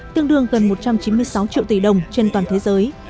tương đương gần một trăm chín mươi sáu triệu tỷ đồng trên toàn thế giới